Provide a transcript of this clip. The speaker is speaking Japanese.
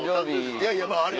いやいやまぁ。